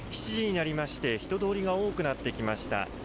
７時になりまして、人通りが多くなってきました。